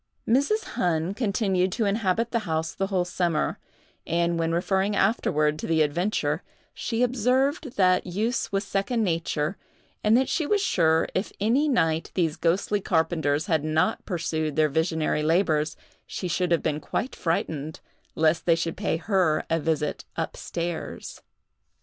Mrs. Hunn continued to inhabit the house the whole summer; and, when referring afterward to the adventure, she observed that use was second nature, and that she was sure if any night these ghostly carpenters had not pursued their visionary labors, she should have been quite frightened, lest they should pay her a visit up stairs.